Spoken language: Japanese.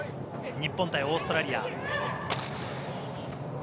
日本対オーストラリア。